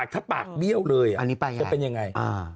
ถ้าปากเบี้ยวเลยจะเป็นยังไง